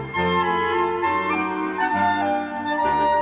โปรดติดตามต่อไป